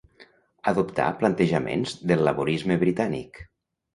Adoptà plantejaments del laborisme britànic.